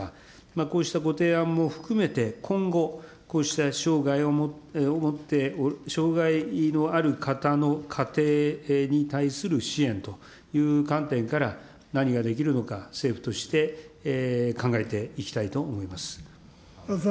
こうしたご提案も含めて、今後、こうした障害を持って、障害のある方の家庭に対する支援という観点から、何ができるのか、政府として考えていきたいと思います。